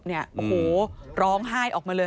โอ้โหร้องไห้ออกมาเลย